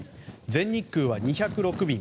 全日空は２０６便